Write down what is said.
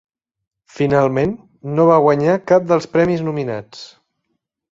Finalment, no va guanyar cap dels premis nominats.